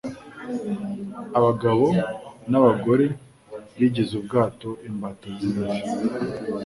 Abagabo na bagore bigize ubwabo imbata z’irari.